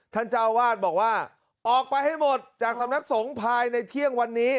เจ้าวาดบอกว่าออกไปให้หมดจากสำนักสงฆ์ภายในเที่ยงวันนี้